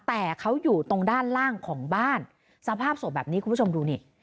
แต่เขาอยู่ตรงด้านล่างของบ้านสภาพศพแบบนี้คุณผู้ชมดูนี่